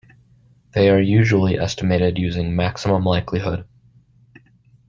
They are usually estimated using maximum likelihood.